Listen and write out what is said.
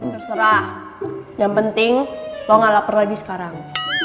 terserah yang penting lo gak lapar lagi sekarang